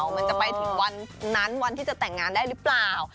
มันจะไปถึงวันนั้นวันที่จะแต่งงานได้หรือเปล่า